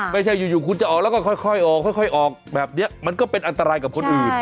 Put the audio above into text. ไม่ใช่อยู่คุณจะออกแล้วก็ค่อยออกค่อยออกแบบนี้มันก็เป็นอันตรายกับคนอื่น